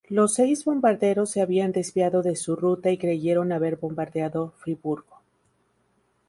Los seis bombarderos se habían desviado de su ruta y creyeron haber bombardeado Friburgo.